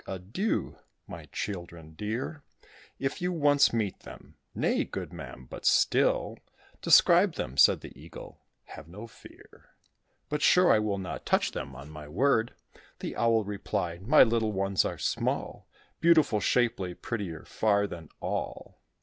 Adieu, my children dear, If you once meet them." "Nay, good ma'am, but still, Describe them," said the Eagle; "have no fear: Be sure I will not touch them, on my word." The Owl replied, "My little ones are small, Beautiful, shapely, prettier, far, than all.